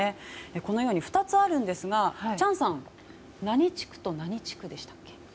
このように２つあるんですがチャンさん何地区と何地区でしたっけ？